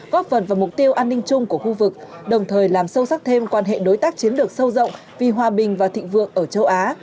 góp phần vào mục tiêu an ninh chung của khu vực đồng thời làm sâu sắc thêm quan hệ đối tác chiến lược sâu rộng vì hòa bình và thịnh vượng ở châu á